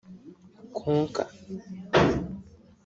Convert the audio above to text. Konka